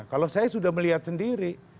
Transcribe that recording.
kalau saya sudah melihat sendiri